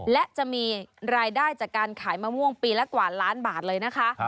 และจะมีรายได้จากการขายมะม่วงปีละกว่าล้านบาทเลยนะคะ